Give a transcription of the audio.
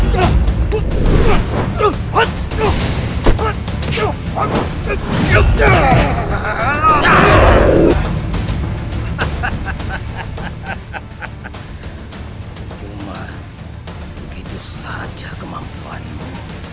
cuma begitu saja kemampuanmu